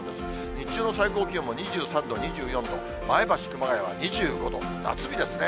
日中の最高気温も２３度、２４度、前橋、熊谷は２５度、夏日ですね。